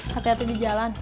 hati hati di jalan